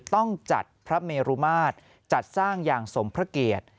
ต้องจัดพระเมรุมาตรจัดสร้างอย่างสมพระเกียรติ